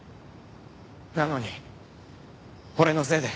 なのに俺のせいで。